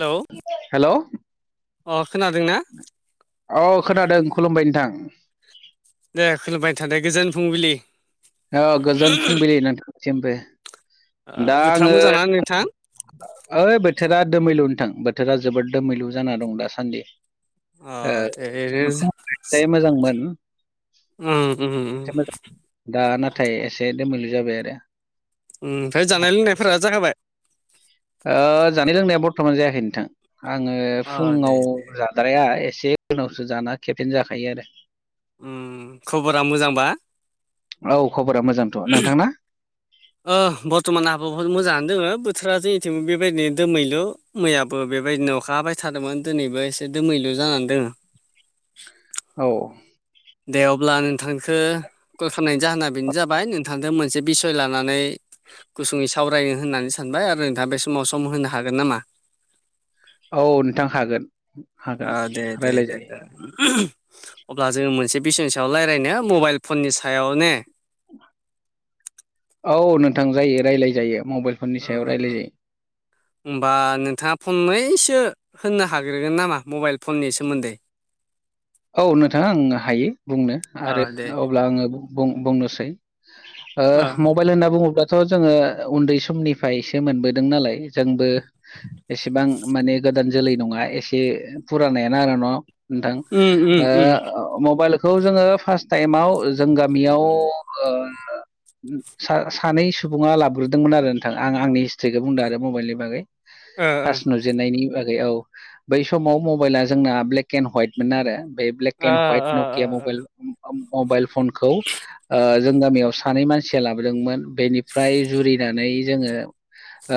Hello हेल अ खोनादों ना। औ खोनादों खुलुमबाय नोंथां। दे खुलुमबाय थादो गोजोन फुंबिलि। औ गोजोन फुंबिलि नोंथांसिमबो ओ दा बोथोरा आङो। मोजांना नोंथां ओइ बोथोरा दोमैलु नोंथां बोथोरा जोबोद दोमैलु जाना दं दासान्दि। अ दे ओरैनो [unintelligible] मोजांमोन उम उम एसे मोजां, दा नाथाय एसे दोमैलु जाबाय आरो। ओमफ्राय जानाय लोंनायफोरा जाखाबाय। ओ-जानाय लोंनाया बरथमान जायाखै नोंथां आङो अ दे फुङाव दे जा हाद्राया एसे उनावसो जाना खेबसेनो जाखायो आरो। ओम खबरा मोजांबा। औ खबरा मोजांथ नोंथांना। ओ बरथमान आंबो बहुत मोजाङानो दोङो बोथोरा जोंनिथिं बेबायदिनो दोमैलु। मैयाबो बेबायदिनो अखा हाबाय थादोंमोन दिनैबो एसे दोमैलु जानानै दोङो। औ दे अब्ला आं नोंथांखो कल खालामनायनि जाहोना बेनो जाबाय नोंथांजों मोनसे बिसय लानानै गुसुङै सावरायनो होननानै सानबाय आरो नोंथाङा बे समाव सम होनो हागोन नामा? औ नोंथां हागोन ओ हागोन दे दे राय्लाय दे जायो। अब्ला जोङो मोनसे बिसयनि सायाव रायज्लायनो मबाइल फननि सायाव ने औ नोंथां जायो रायलाय जायो मबाइल फननि सायाव रायलाय जायो। होमबा नोंथाङा फंनैसो होननो हाग्रोगोन नामा मबाइल फननि सोमोन्दै औ नोंथां आं हायो बुंनो ओ आरो दे दे अब्ला आङो बुं-बुंनोसै ओ मबाइल होनना बुङोब्ला थ' जोङो उन्दै समनिफ्रायसो मोनबोदों नालाय जोंबो एसेबां माने गोदान जोलै नङा एसे फुरानायानो आर न' नोंथां। उम उम उम ओ मबाइल खौ जोङो फार्स्ट टाइमाव जों गामियाव ओ सा-सानै सुबुङा लाबोग्रोदोंमोन आरो नोंथां आं आंनि हिस्ट्रिखौ बुंदों आरो मबाइलनि बागै ओ ओ फारस नुजेननायनि बागै औ बै समाव मबाइला जोंना ब्लेके एन्ड हाइट मोन आरो बे ब्लेक एन्ड हवाइट ओ ओ नकिया ओ मबाइल मबाइल फनखौ ओ जों गामियाव सानै मानसिया लाबोदोंमोन बेनिफ्राय जुरिनानै जोङो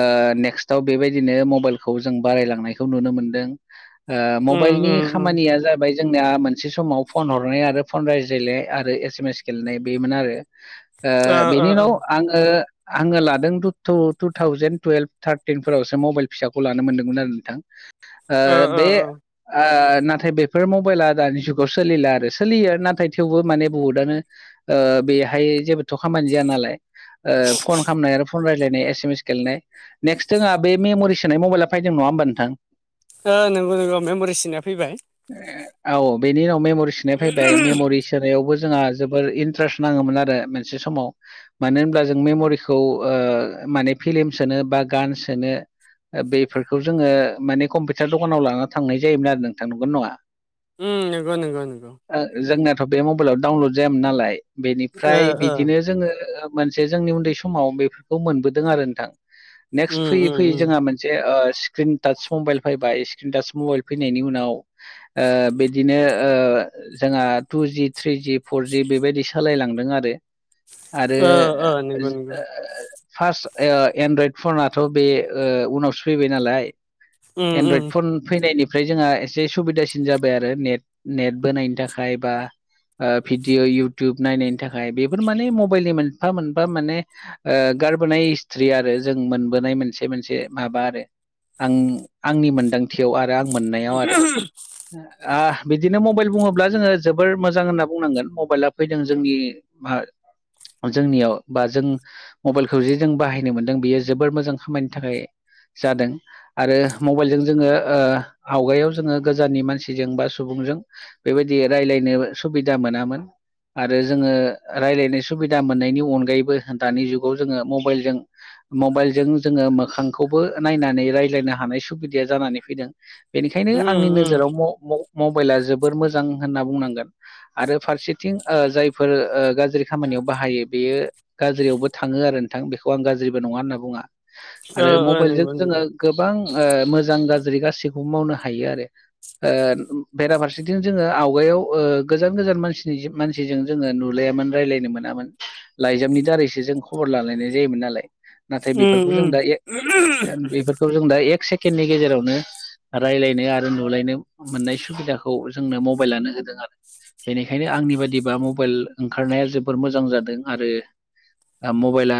ओ नेक्स्टआव बेबायदिनो मबाइलखौ जों बारायलांनायखौ नुनो मोनदों। ओ उम मबाइलनि उम उम खामानिया जोंनिया मोनसे समाव फन हरनाय आरो फन रायज्लायनाय आरो एसे एम एस गेलेनाय बेमोन आरो ओ बेनि उनाव आङो आङो लादों टु टु थावजेन टुवेल्भ थारटिनफोरावसो मबाइल फिसाखौ लानो मोनदोंमोन आरो नोंथां। ओ बे नाथाय बे बेफोर मबाइला दानि जुगाव सोलिला आरो सोलियो आरो नाथाय थेवबो माने बहुदआनो ओ बेहाय जेबोथ' खामानि जाया नालाय ओ फन खालामनाय आरो फन रायलायनाय एस एम एस गेलेनाय नेक्स्ट जोंहा बे मेमरि सोनाय मबाइला फैदों नङा होमबा नोंथां? ओ नोंगौ नोंगौ मेमबरि सोनाया फैबाय औ बेनि उनाव मेम'रि सोनाय फैबाय मेम'रिस सोनायावबो जोंहा जोबोर इन्ट्रेस्ट नाङोमोन आरो मोनसे समाव मानो होनब्ला जों मेमरिखौ ओ माने फिल्म सोनो बा गान सोनो। ओ बेफोरखौ जोङो माने कम्पिउटार दखानाव लाना थांनाय जायोमोन आरो नोंथां नंगौना नङा? उम नोंगौ नोंगौ ओ जोंनायाथ' बे मबाइलाव डाउनलड जायामोन नालाय ओ बेनिफ्राय ओ बिदिनो जोङो ओ मोनसे जोंनि उन्दै समाव बेफोरखौ मोनबोदों आरो नोंथां नेक्सट उम फैयै उम फैयै जोंहा उम मोन मोनसे ओ स्क्रिन टाच मबाइल फैबाय स्क्रिन टच मबाइल फैनायनि उनाव ओ बिदिनो ओ जोंहा टुजि थ्रिजि फरजि बेबायदि सालायलांदों आरो आरो ओ ओ नंगौ नंगौ [unintelligible] फार्स्ट ओ एनड्रयड फनाथ' बे ओ उनावसो फैबाय नालाय उम उम एनदरायड फन फैनायनिफ्राय जोंहा एसे सुबिदासिन जाबाय आरो नेट नेट बोनायनि थाखाय बा ओ भिदिअ इउटुब नायनायनि थाखाय बेफोर माने मबाइलनि मोनफा मोनफा माने ओ गारबोनाय हिस्थ्रि आरो जों मोनबोनाय मोनसे मोनसे माबा आरो आं आंनि मोनदांथियाव आरो आं मोननायाव आरो आ बिदिनो मबाइल बुङोब्ला जोङो जोबोर मोजां होनना बुंनांगोन मबाइला फैदों जोंनि बा जोंनियाव बा जों मबाइलखौ जे जों बाहायनो मोन्दों बियो जोबोर मोजां खामानिनि थाखाय जादों आरो मबाइलजों जोङो ओ आवगायाव जोङो गोजाननि मान सिजों बा सुबुंजों बेबायदि रायज्लायनो सुबिदा मोनामोन। आरो जोङो रायज्लायनाय सुबिदा मोननायनि अनगायैबो दानि जुगाव जोङो मबाइलजों मबाइलजों जोङो मोखांखौबो नायनानै रायज्लायनो हानाय सुबिदाया जानानै फैदों। बेनिखायनो उम आंनि उम नोजोराव म-म-मबाइला जोबोर मोजां होनना बुंनांगोन। आरो फारसेथिं ओ जायफोर ओ गाज्रि खामानियाव बाहायो बेयो गाज्रियावबो थाङो आरो नोंथां बेखौ आं गाज्रिबो नङा होनना बुङा ओ आरो ओ मबाइलजों नंगौ जोङो नंगौ गोबां ओ मोजां गाज्रि गासैखौबो मावनो हायो आरो। ओ बेराफारसेथिं जोङो आवगायाव ओ गोजान गोजान मानसिनि मानसिजों जोङो नुलायामोन रायज्लायनो मोनामोन लाइजामनि दारैसो जों खबर लालायनाय जायोमोन नालाय। नाथाय उम बेफोरखौ जों उम दायो बेफोर बेखौ जों दा एक सेकेणडनि गेजेरावनो रायज्लायनो आरो नुलायनो मोननाय सुबिदाखौ जोंनो मबाइलानो होदों आरो। बेनिखायनो आंनि बायदिबा मबाइल ओंखारनाया जोबोर मोजां जादों आरो ओ मबाइला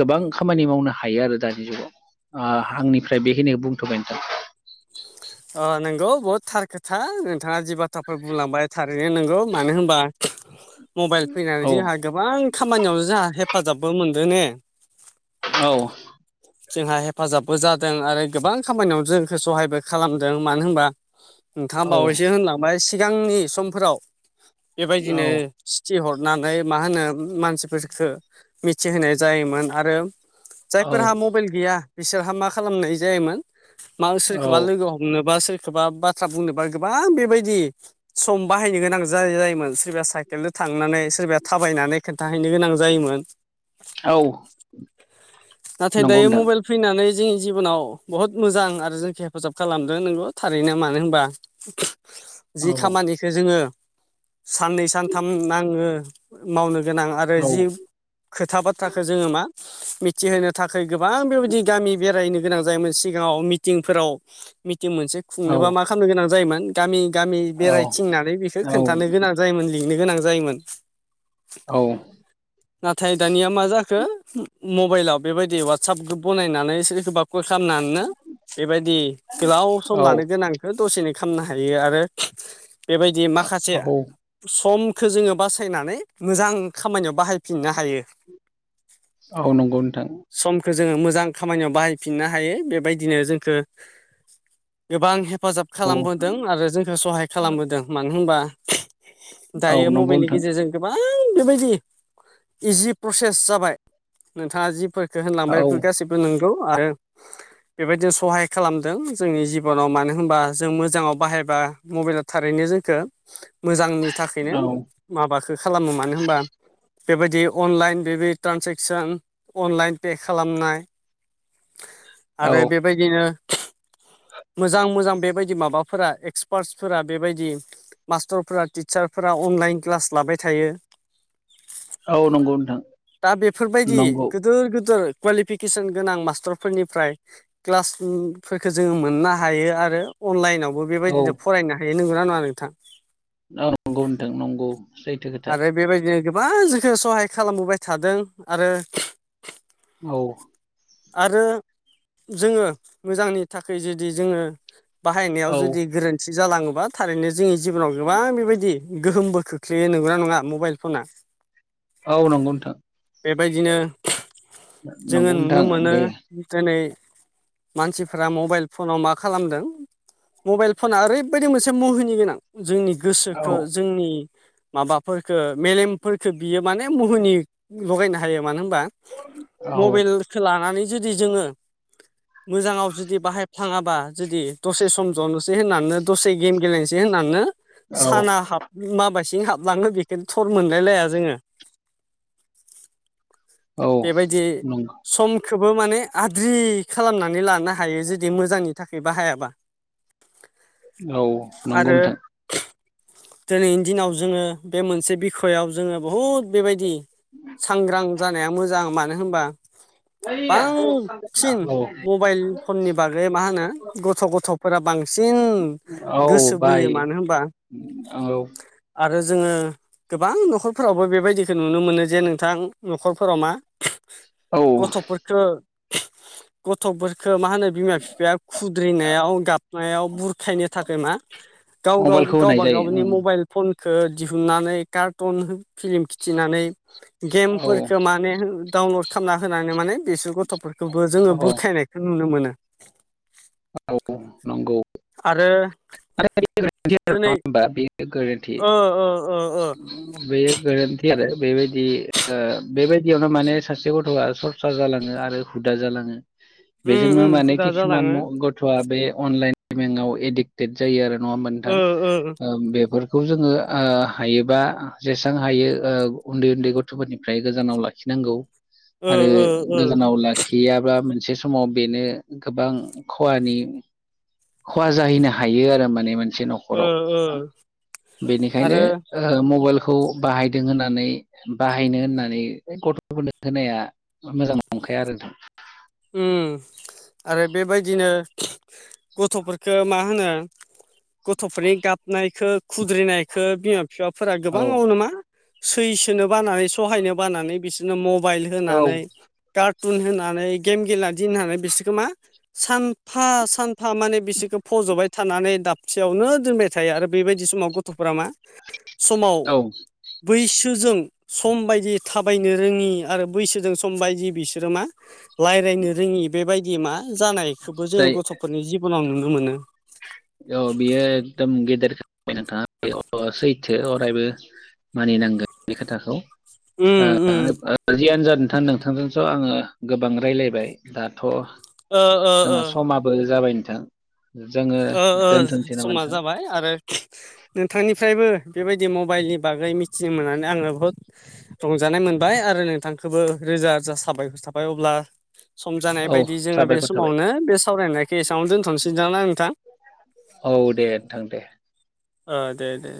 गोबां खामानि मावनो हायो आरो दानि जुगाव। ओ आंनिफ्राय बेखिनिखौ बुंथ'बाय नोंथां। अ नंगौ बहुद थार खोथा नोंथाङा जि बाथ्राफोर बुंलांबाय थार बेयो नोंगौ मानो होनबा मबाइल औ फैनानै जोंहा गोबां खामानियावनो जोंहा हेफाजाबबो मोनदों ने। औ। जोंहा हेफाजाबबो जादों आरो गोबां खामानियावनो जोंखौ सहायबो खालामदों मानो होनबा नोंथाङा औ बावैसो होनलांबाय सिगांनि समफोराव बेबायदिनो औ सिथि हरनानै मा होनो मानसिफोरफोरखौ मिथिहोनाय जायोमोन आरो जायफोरहा मबाइल गैया बिसोरहा मा खालामनाय जायोमोन मा औ सोरखौबा लोगो हम बुंनोबा सोरखौबा बाथ्रा बुंनोबा गोबां बेबायदि सम बाहायनो गोनां जा जायोमोन सोरबाया साइकेलजों थांनानै सोरबाया थाबायनानै खिन्थाहैनो गोनां जायोमोन। औ नाथाय नंगौ दायो नोंथां मबाइल फैनानै जोंनि जिबनाव बहुत मोजां आरो जोंखौ हेफाजाब खालामदों नोंगौ थारैनो मानो होनबा जि औ खामानिखौ जोङो साननै सानथाम नाङो मावनो गोनां आरो औ जि खोथा बाथ्राखौ जोङो मा मि [unintelligible] थाखाय गोबां बेबायदि गामि बेरायनो गोनां जायोमोन सिगाङाव मिटिंफोराव मिटिं मोनसे औ खुंनोबा मा खालामनो गोनां जायोमोन गामि गामि औ बेरायथिंनानै बेखौ औ खोन्थानो गोनां जायोमोन लिंनो गोनां जायोमोन। औ। नाथाय दानिया मा जाखो मबाइलाव बेबायदि वाटरसाप ग्रुप बनायनानै सोरखौबा कल खालामनानैनो बेबायदि गोलाव सम औ लानो गोनां बे दसेनो खालामनो हायो आरो बेबायदि माखासे समखौ जोङो बासायनानै मोजां खामानियाव बाहायफिननो हायो। औ नंगौ नोंथां। समखौ जोङो मोजां खामानियाव बाहायफिननो हायो बेबायदिनो जोंखौ गोबां हेफाजाब औ खालामबोदों आरो जोंखौ सहाय खालामबोदों मानो होनबा औ दायो नंगौ मबाइलनि नोंथां गेजेरजों गोबां बेबायदि इजि प्रसेस जाबाय। नोंथाङा जिफोरखौ होनलांबाय औ बेफोर गासैबो नंगौ आरो बेबायदिनो सहाय खालामदों जोंनि जिब'नाव मानो होनबा जों मोजाङाव बाहायबा मबाइला थारैनो जोंखौ मोजांनि थाखायनो औ माबाखो खालामो मानो होनबा बेबायदि अनलाइन बे ट्रान्जेकसन अनलाइन पे खालामनाय औ आरो बेबायदिनो मोजां मोजां बेबायदि माबाफोरा एक्सपार्ट फोरा बेबायदि मास्टरफोरा टिचारफोरा अनलाइन क्लास लाबाय थायो औ नंगौ नोंथां दा बेफोरबायदि नंगौ गोदोर गोदोर कुवालिफिकेसन गोनां मास्टारफोरनिफ्राय क्लासनि फोरखो जोङो मोननो हायो आरो अनलाइनावबो औ बेबायदिनो फरायनो हायो नंगौना नङा नोंथां? औ नंगौ नोंथां नंगौ सैथो खोथा आरो बेबायदिनो गोबां जोंखौ सहाय खालामबोबाय थादों आरो औ आरो जोङो मोजांनि थाखाय जेदि जोङो बाहायनायाव औ जुदि गोरोन्थि जालाङोबा थारैनो जोंनि जिबनाव गोबां बेबायदि गोहोमबो खोख्लै बे नंगौना नङा मबाइल फना? औ नंगौ नोंथां बेबायदिनो जोङो नंगौ नुनो नोंथां मोनो बे दिनै मानसिफ्रा मबाइल फनाव मा खालामदों? मबाइल फना ओरैबायदि मोनसे मुहिनि गोनां जोंनि औ गोसोखो जोंनि माबाफोरखो मेलेमफोरखो बियो माने मुहुनि लगायनो हायो मानो होनबा औ मबेलखो लानानै जुदि जोङो मोजाङाव जुदि बाहाय फ्लाङाबा जुदि दसे सम जनोसै होननानैनो दसे गेम गेलेनोसै होननानैनो औ साना हाब माबासि हाब लाङो बेखोनो थर मोनलायलाया जोङो औ बेबायदि नंगौ समखोबो माने आद्रि खालामनानै लानो हायो जुदि मोजांनि थाखाय बाहायाबा औ नंगौ नोंथां दोनैनि दिनाव जोङो बे मोनसे बिखययाव जोङो बहुद बेबायदि सांग्रां जानाया मोजां मानो होनबा बांसिन औ मबाइल फननि बागै मा होनो गथ गथ फोरा बांसिन औ गोसो बोयो बायो मानो होनबा औ आरो जोङो गोबां न खरफोरावबो बेबायदिखौ नुनो मोनो जे नोंथां न खरफोराव मा? औ गथ फोरखो गथ फोरखो मा होनो? बिमा बिफाया खुद्रिनायाव गाबनायाव बुरखायनो थाखाय मा? गाव गाव मबाइलखौ होनाय गावबा जायो गावनि उम मबाइल फनखौ दिहुननानै कार्टन फिलिम खिथिनानै औ गेमफोरखौ माने डाउनलड खालामना होनानै माने बिसोर गथ फोरखौबो जोङो औ बुरखायनाय खो नुनो मोनो औ नोंगौ आरो [unintelligible] बे दिनै गोरोन्थि ओ ओ ओ ओ बेयो गोरोन्थि आरो बेबायदि ओ बेबायदियावनो माने सासे गथ आ सर सर जालाङो आरो हुदा जालाङो उम बेजोंनो उम माने हुदा किसुमान जालाङो म गथआ बे अनलाइन गेमिंआव एडिक्टेद जायो आरो नङा होनबा नोंथां ओ बेफोर बेखौ जोङो ओ हायोबा जेसेसां हायो ओ उन्दै उन्दै गथ फोरनिफ्राय गोजानाव लाखि खिनांगौ ओ आरो ओ ओ गोजानाव ला खियाब्ला मोनसे समाव बेनो गोबां खहानि खहा जाहैनो हायो आरो माने मोनसे नख ओ खराव ओ बेनिखायनो आरो ओ मबाइलखौ बाहायदों होननानै बाहायनो होननानै गथ फोरनो होनाया मोजां नंखाया आरो नोंथां उम आरो बेबायदिनो गथ'फोरखो मा होनो गथ'फोरनि गाबनायखौ खुद्रिनायखौ बिमा बिफाफोरा औ गोबाङाव मा सैसोनो बानानै सहायनो बानानै बिसोरनो मबाइल होनानै औ कार्टुन होनानै गेम गेलेना दोननानै बिसोरखौ मा सानफा सानफा माने बिसोरखौ फज'बाय थानानै दाबसेयावनो दोनबाय थायो आरो बेबायदि समाव ग गथ'फोरा मा समाव औ बैसोजों सम बायदि थाबायनो रोङि आरो बैसोजों सम बायदि बिसोरो मा रायलायनो रोङि बेबायदि मा जानायखौबो जाय जोङो गथ'फोरनि जिबनाव नुनो मोनो। औ बियो एकदम गेदेर खालामबाय नोंथाङा सैथो अरायबो। मानिनांगोन बे खोथाखौ ओ उम उम ओ जियानो जा नोंथां नोंथांजोंथ' आङो गोबां रायज्लायबाय दाथ' ओ ओ जोंहा ओ समाबो जाबाय नोंथां जोङो ओ दोनथ'नोसै नामा समा नोंथां जाबाय आरो नोंथांनिफ्रायबो बेबायदि मबाइलनि बागै मिथिनो मोननानै आङो बहुत रंजानाय मोनबाय आरो नोंथांखौबो रोजा रोजा साबायखर थाबाय। अब्ला सम जानाय औ बायदि जोङो बे साबायखर थाबाय समावनो बे सावरायनायखौ एसेयावनो दोनथ'सै दां ना नोंथां? औ दे नोंथां दे। ओ देेे दे।